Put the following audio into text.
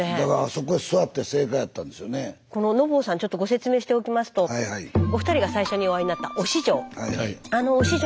ちょっとご説明しておきますとお二人が最初にお会いになった忍城。